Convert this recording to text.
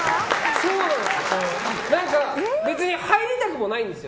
そうなんですよ！